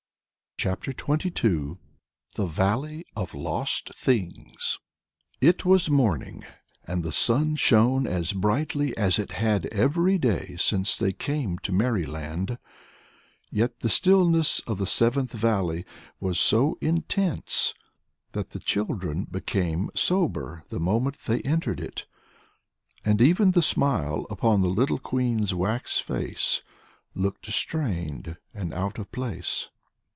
CHAPTER 18 The Valley of Lost Things It was morning, and the sun shone as brightly as it had every day since they came to Merryland; yet the stillness of the Seventh Valley was so intense that the children became sober the moment they entered it, and even the smile upon the little Queen's wax face looked strained and out of place.